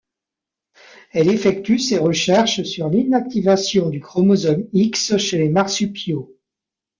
Elle effectue ses recherches sur l'Inactivation du chromosome X chez les marsupiaux.